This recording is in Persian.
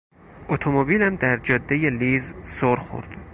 اتومبیلم در جادهی لیز سر خورد.